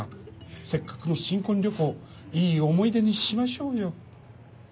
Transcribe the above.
せっかくの新婚旅行いい思い出にしましょうよ。